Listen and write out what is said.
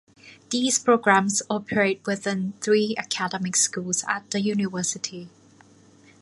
These programs operate within three academic schools at the University.